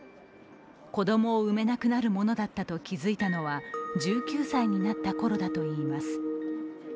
子供を産めなくなるものだったと気付いたのは１９歳になったころだといいます。